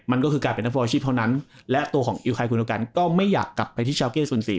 มันก็คือการเป็นนักฟอลอาชีพเท่านั้นและตัวของอิวไคคุณโอกันก็ไม่อยากกลับไปที่ชาวเก้ซูนสี่